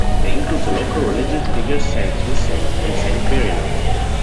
They include the local religious figures Saint Swithun and Saint Birinus.